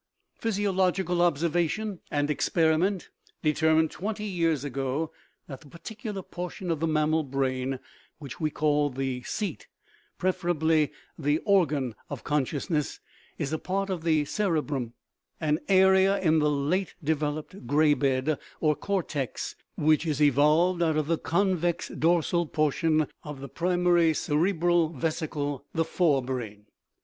Physiological observation and experiment determined twenty years ago that the particular portion of the mammal brain which we call the seat (preferably the organ) of consciousness is a part of the cerebrum, an area in the late developed gray bed, or cortex, which is evolved out of the convex dorsal portion of the primary cerebral vesicle, the " fore brain."